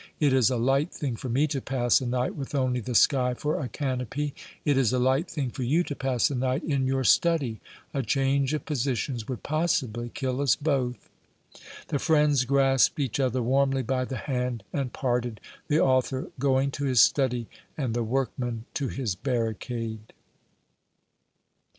It is a light thing for me to pass a night with only the sky for a canopy. It is a light thing for you to pass a night in your study. A change of positions would possibly kill us both!" The friends grasped each other warmly by the hand and parted, the author going to his study and the workman to his barricade.